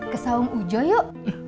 ke saung ujo yuk